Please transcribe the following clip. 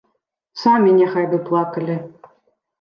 Самі няхай бы плакалі.